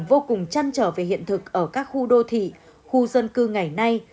vô cùng chăn trở về hiện thực ở các khu đô thị khu dân cư ngày nay